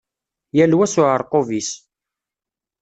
Yal wa s uεerqub-is.